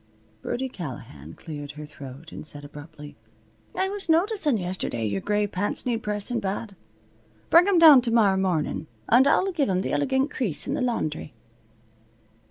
Birdie Callahan cleared her throat and said abruptly: "I was noticin' yesterday your gray pants needs pressin' bad. Bring 'em down tomorrow mornin' and I'll give 'em th' elegant crease in the laundry."